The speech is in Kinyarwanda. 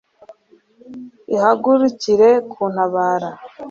ihagurukire kuntabara